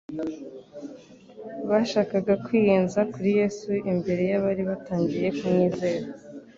bashakaga kwiyenza kuri Yesu imbere y'abari batangiye kumwizera.